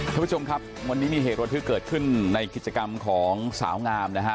ท่านผู้ชมครับวันนี้มีเหตุระทึกเกิดขึ้นในกิจกรรมของสาวงามนะฮะ